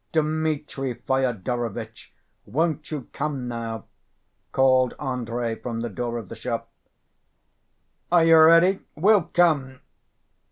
"Dmitri Fyodorovitch, won't you come now?" called Andrey from the door of the shop. "Are you ready? We'll come!"